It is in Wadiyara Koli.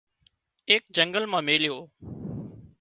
ايڪ جنگل مان ميليو